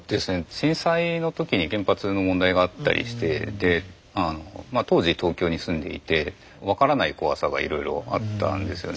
震災の時に原発の問題があったりしてであのまあ当時東京に住んでいて分からない怖さがいろいろあったんですよね。